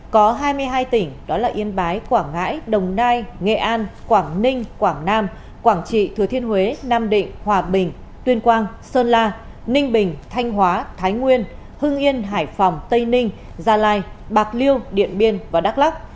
có hai mươi hai tỉnh đó là yên bái quảng ngãi đồng nai nghệ an quảng ninh quảng nam quảng trị thừa thiên huế nam định hòa bình tuyên quang sơn la ninh bình thanh hóa thái nguyên hưng yên hải phòng tây ninh gia lai bạc liêu điện biên và đắk lắc